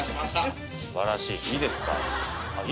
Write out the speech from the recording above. すばらしいいいですか？